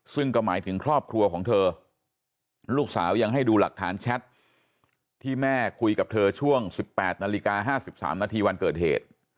ซึ่งก็หมายถึงครอบครัวของเธอลูกสาวยังให้ดูหลักฐานแชทที่แม่คุยกับเธอช่วง๑๘นาฬิกา๕๓นาทีวันเกิดเหตุ